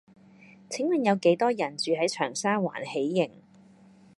請問有幾多人住喺長沙灣喜盈